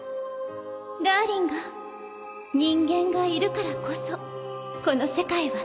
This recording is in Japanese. ダーリンが人間がいるからこそこの世界は楽しい